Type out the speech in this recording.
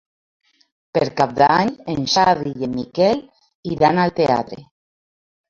Per Cap d'Any en Xavi i en Miquel iran al teatre.